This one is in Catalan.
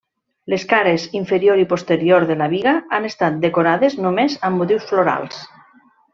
Les cares inferior i posterior de la biga han estat decorades només amb motius florals.